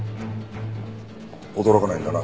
驚かないんだな。